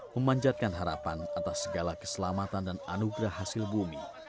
memanjatkan harapan atas segala keselamatan dan anugerah hasil bumi